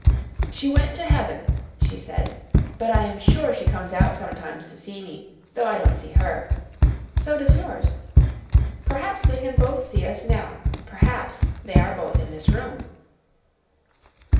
"She went to heaven," she said. "But I am sure she comes out sometimes to see me though I don't see her. So does yours. Perhaps they can both see us now. Perhaps they are both in this room."